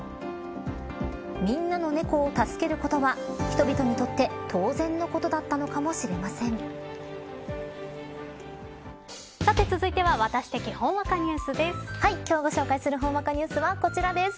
みんなの猫を助けることは人々にとって当然のことだったのかもしれさて、続いてはワタシ的ほんわかニュースです。